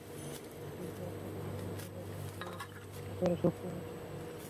কিন্তু আর কতটুকু নিতে পারবো, সে ব্যাপারে সবসময়েই জানতাম আমি।